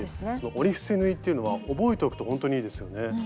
折り伏せ縫いっていうのは覚えておくとほんとにいいですよね。